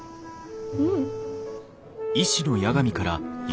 うん。